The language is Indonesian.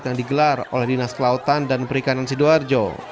yang digelar oleh dinas kelautan dan perikanan sidoarjo